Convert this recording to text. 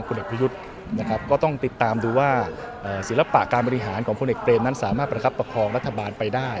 คุณเนกประยุทธ์นะครับก็ต้องติดตามดูว่าสีรภะป่าการ